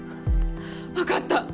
分かった！